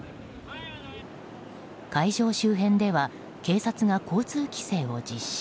会場周辺では警察が交通規制を実施。